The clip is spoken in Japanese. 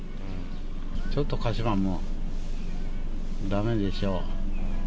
ちょっと鹿島もだめでしょう。